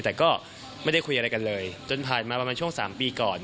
แต่ก็ไม่ได้คุยอะไรกันเลยจนผ่านมาประมาณช่วง๓ปีก่อน